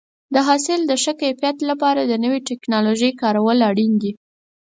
د حاصل د ښه کیفیت لپاره د نوې ټکنالوژۍ کارول اړین دي.